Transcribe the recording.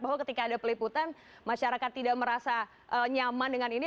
bahwa ketika ada peliputan masyarakat tidak merasa nyaman dengan ini